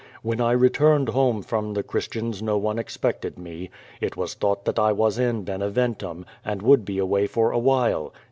\\'hen I re turned home from the Christians no one expected me. It was thought that I was in Beneventum, and would be away for a while.